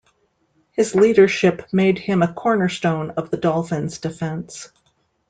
His leadership made him a cornerstone of the Dolphins' defense.